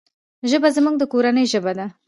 ژبه زموږ د کورنی ژبه ده.